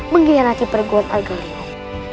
mengkhianati perguruan argaliwung